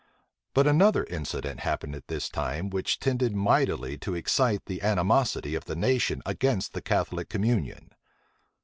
But another incident happened at this time, which tended mightily to excite the animosity of the nation against the Catholic communion.